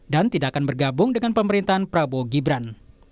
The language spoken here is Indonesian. dan tidak akan bergabung dengan pemerintahan prabowo gibran